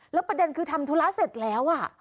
แล้วประเด็นคือทำธุระเสร็จแล้ว